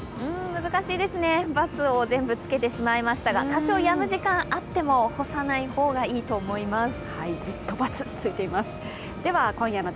難しいですね、バツを全部つけてしまいましたが多少やむ時間あっても、干さない方がいいと思います。